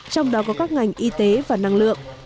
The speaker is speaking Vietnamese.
trong đó có các ngành y tế và năng lượng